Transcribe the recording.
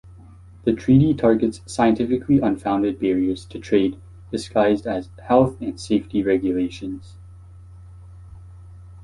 The treaty targets 'scientifically unfounded' barriers to trade disguised as health and safety regulations.